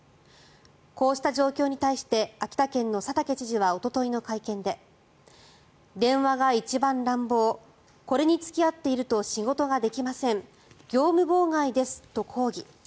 こうした状況に対して秋田県の佐竹知事はおとといの会見で電話が一番乱暴これに付き合っていると仕事ができません業務妨害ですと抗議。